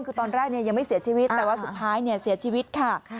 คือตอนแรกยังไม่เสียชีวิตแต่ว่าสุดท้ายเสียชีวิตค่ะ